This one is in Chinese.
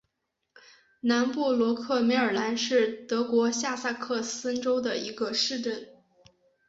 南布罗克梅尔兰是德国下萨克森州的一个市镇。